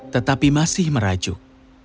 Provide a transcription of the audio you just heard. tetapi dia masih meraguk